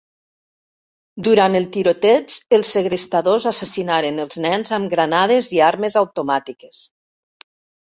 Durant el tiroteig, els segrestadors assassinaren els nens amb granades i armes automàtiques.